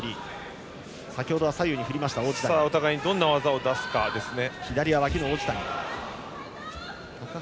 お互いのどんな技を出すかですね。